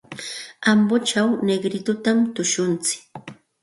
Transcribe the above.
Ambochaw Negritotami tushuntsik.